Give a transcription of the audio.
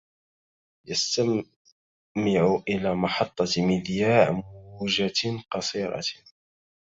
يستمع إلى محطة مذياع موجة قصيرة.